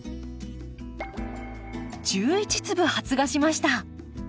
１１粒発芽しました。